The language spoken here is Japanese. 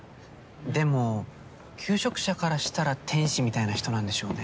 でも求職者からしたら天使みたいな人なんでしょうね。